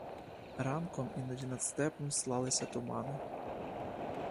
Ранками іноді над степом слалися тумани.